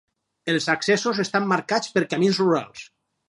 Els accessos estan marcats per camins rurals.